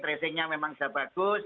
tracingnya memang sudah bagus